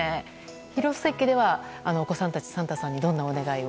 廣瀬家ではお子さんたちサンタさんにどんなお願いを？